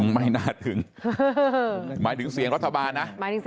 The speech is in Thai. ไม่น่าถึงหมายถึงเสียงรัฐบาลนะ